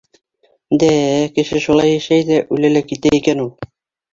— Дә-ә, кеше шулай йәшәй ҙә үлә лә китә икән ул?